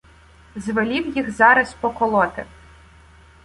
Звелів їх зараз поколоти